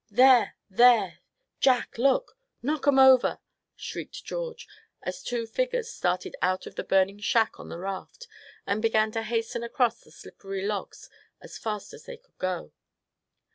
"There! there! Jack, look! knock 'em over!" shrieked George, as two figures started out of the burning shack on the raft, and began to hasten across the slippery logs as fast as they could go.